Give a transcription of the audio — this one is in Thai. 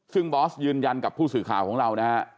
ซึ่งบอสยืนยันกับผู้สื่อข่าวของเรานะฮะ